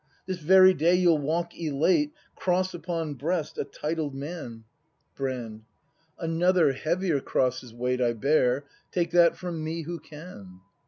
This very day you'll walk elate. Cross upon breast, a titled man. 232 BRAND [act v Brand. Another, heavier cross's weight I bear; take that from me who can.